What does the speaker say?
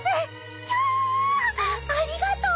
キャありがとう！